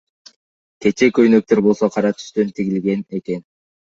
Кече көйнөктөр болсо, кара түстөн тигилген экен.